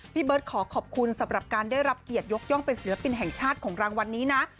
พี่เบิร์ตขอขอบคุณสำหรับการได้รับเกียรติยกย่องเป็นศิลปินแห่งชาติของรางวัลนี้นะ